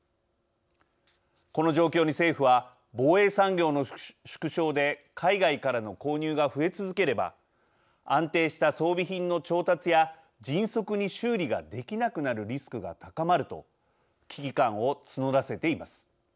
この状況に政府は防衛産業の縮小で海外からの購入が増え続ければ安定した装備品の調達や迅速に修理ができなくなるリスクが高まると危機感を募らせています。